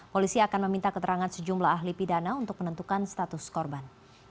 polisi akan meminta keterangan sejumlah ahli pidana untuk menentukan status korban